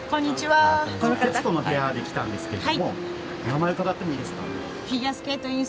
「『徹子の部屋』で来たんですけどもお名前伺ってもいいですか？」